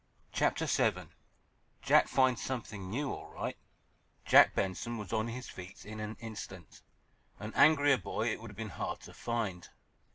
CHAPTER VII: JACK FINDS SOMETHING "NEW," ALL RIGHT Jack Benson was on his feet in an instant. An angrier boy it would have been hard to find.